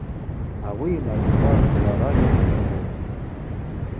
Ауи йнапӏква ртӏлара гьатахъымызтӏ.